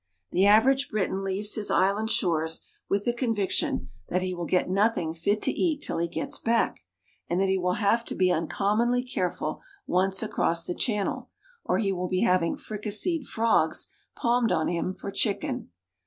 The average Briton leaves his island shores with the conviction that he will get nothing fit to eat till he gets back, and that he will have to be uncommonly careful once across the channel, or he will be having fricasseed frogs palmed on him for chicken.